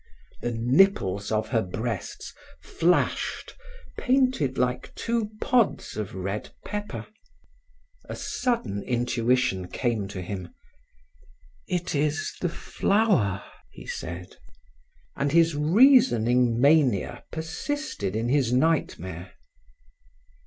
The nipples of her breasts flashed, painted like two pods of red pepper. A sudden intuition came to him. "It is the Flower," he said. And his reasoning mania persisted in his nightmare.